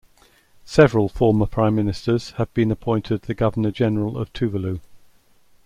Several former prime ministers have been appointed the Governor-General of Tuvalu.